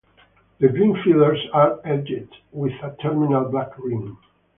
The green feathers are edged with a terminal black rim.